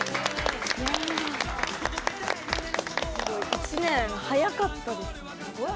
１年、早かったですね。